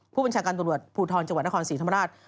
ผู้บัญชาการตำรวจภูทรจังหวัดนครศรีธรรมราช